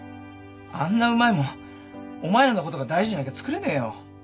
あんなうまい物お前らのことが大事じゃなきゃ作れねえよ。